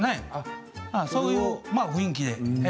そういう雰囲気で。